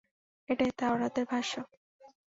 এটাই তাওরাতের ভাষ্য।